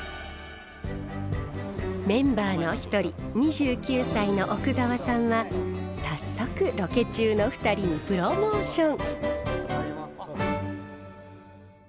メンバーの一人２９歳の奥澤さんは早速ロケ中の２人にプロモーション。